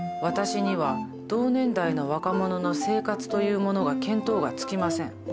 私には同年代の若者の生活というものが見当がつきません。